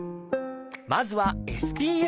まずは「ＳＰＦ」。